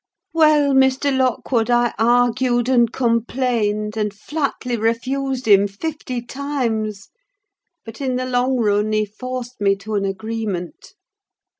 Well, Mr. Lockwood, I argued and complained, and flatly refused him fifty times; but in the long run he forced me to an agreement.